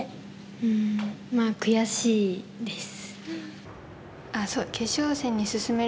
うん悔しいです。